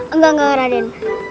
enggak enggak raden